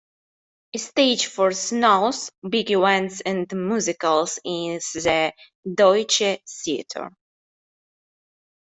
A stage for shows, big events and musicals is the "Deutsche Theater".